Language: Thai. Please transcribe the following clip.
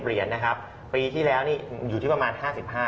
เหรียญนะครับปีที่แล้วนี่อยู่ที่ประมาณ๕๕